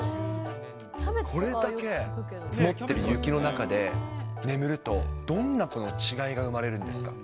これだけ積もってる雪の中で眠ると、どんな違いが生まれるんですか。